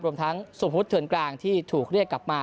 รวมทั้งสมมุติเถื่อนกลางที่ถูกเรียกกลับมา